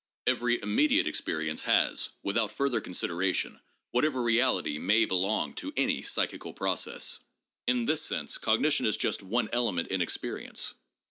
Every immediate experience has, without further consideration, whatever reality may belong to any psychical process. In this sense cognition is just one element in experience.